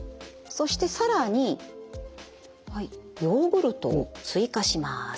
そして更にはいヨーグルトを追加します。